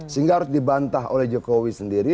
sehingga harus dibantah oleh jokowi sendiri